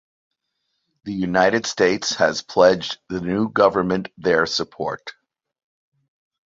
The United States had pledged the new government their support.